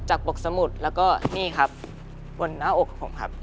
บกสมุทรแล้วก็นี่ครับบนหน้าอกผมครับ